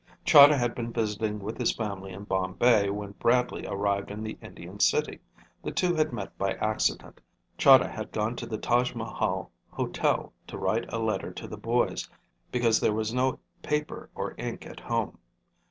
Chahda had been visiting with his family in Bombay when Bradley arrived in the Indian city. The two had met by accident. Chahda had gone to the Taj Mahal Hotel to write a letter to the boys, because there was no paper or ink at home.